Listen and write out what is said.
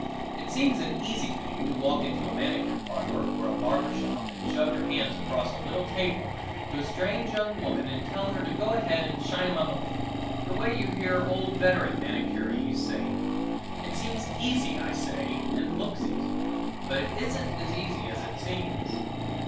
It seems an easy thing to walk into a manicure parlor or a barber shop and shove your hands across a little table to a strange young woman and tell her to go ahead and shine 'em up a bit the way you hear old veteran manicurees saying it. It seems easy, I say, and looks easy; but it isn't as easy as it seems.